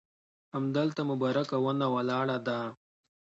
همدلته مبارکه ونه ولاړه ده.